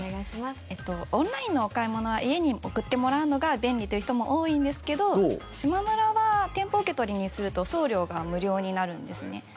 オンラインのお買い物は家に送ってもらうのが便利という人も多いんですけどしまむらは店舗受け取りにすると送料が無料になるんですね。